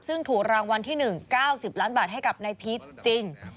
ซึ่งถูกรางวัลที่๑๙๐ล้านบาทให้กับนายพีชจริง